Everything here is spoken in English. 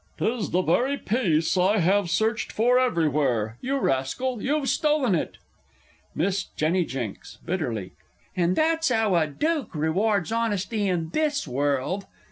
_) 'Tis the very piece I have searched for everywhere! You rascal, you've stolen it! Miss J. J. (bitterly). And that's 'ow a Dook rewards honesty in this world!